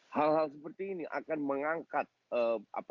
hal hal seperti ini akan mengangkat moral mereka